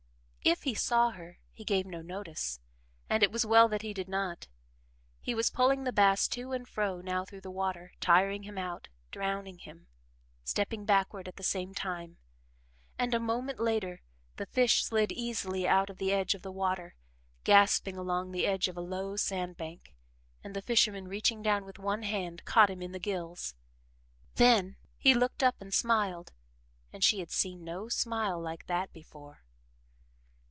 If he saw her, he gave no notice, and it was well that he did not. He was pulling the bass to and fro now through the water, tiring him out drowning him stepping backward at the same time, and, a moment later, the fish slid easily out of the edge of the water, gasping along the edge of a low sand bank, and the fisherman reaching down with one hand caught him in the gills. Then he looked up and smiled and she had seen no smile like that before.